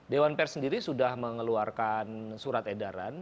dewan pers sendiri sudah mengeluarkan surat edaran